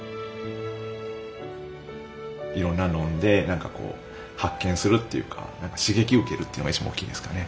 いろんな飲んで発見するっていうか何か刺激を受けるっていうのが一番おっきいですかね。